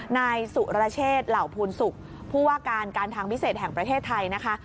นายสุรเชษเหล่าภูลศุกร์ผู้ว่าการการทางพิเศษแห่งประเทศไทยนะคะ